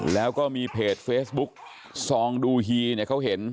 แล้วก็มีเพจเฟซบุ๊กซองดูฮีเนี่ยเขาเห็น